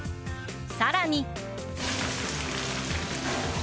更に。